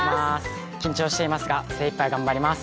緊張していますが精いっぱい頑張ります。